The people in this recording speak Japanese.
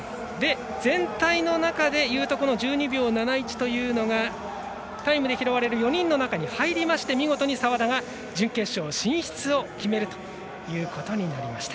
全体の中でいうところの１２秒７１というのはタイムで拾われる４人の中に入り見事に澤田が準決勝進出を決めるということになりました。